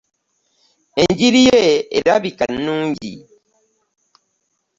Enjiri ye erabika nnungi.